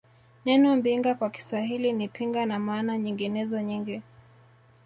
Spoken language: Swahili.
Neno Mbinga kwa Kiswahili ni Pinga na maana nyinginezo nyingi